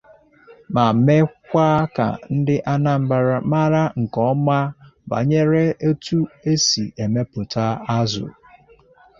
ma mekwa ka Ndị Anambra mara nke ọma banyere etu e si emepụta azụ.